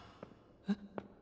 えっ？